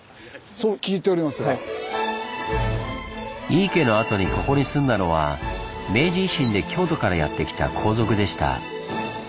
井伊家のあとにここに住んだのは明治維新で京都からやって来た皇族でした。